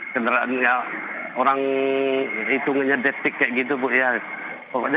kendaraan orang itu ngedetik kayak gitu bu ya pokoknya nggak ada isilah